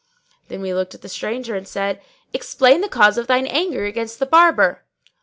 Then we looked at the stranger and said, "Explain the cause of thine anger against the Barber."